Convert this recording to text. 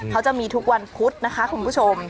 เขาจะมีทุกวันพุธนะคะคุณผู้ชม